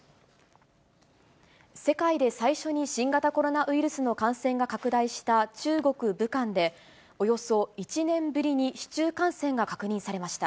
世界で最初に新型コロナウイルスの感染が拡大した中国・武漢で、およそ１年ぶりに市中感染が確認されました。